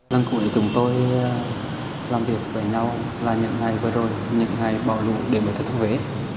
lần cuối chúng tôi làm việc với nhau là những ngày vừa rồi những ngày bỏ lụi để về thừa thiên huế